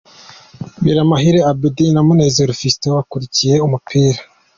Biramahire Abedy na Munezero Fiston bakurikiye umupira.